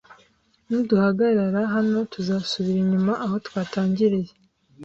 Niduhagarara hano, tuzasubira inyuma aho twatangiriye!